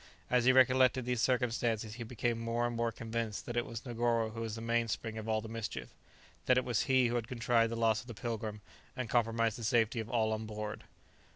As he recollected these circumstances he became more and more convinced that it was Negoro who was the mainspring of all the mischief; that it was he who had contrived the loss of the "Pilgrim," and compromised the safety of all on board.